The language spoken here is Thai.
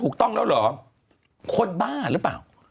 คนบ้าหรือเปล่า